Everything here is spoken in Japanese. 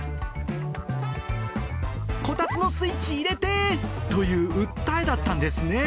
こたつのスイッチ入れて！という訴えだったんですね。